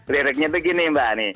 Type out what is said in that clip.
liriknya itu gini mbak